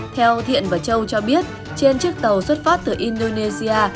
theo thiện và châu cho biết trên chiếc tàu xuất phát từ indonesia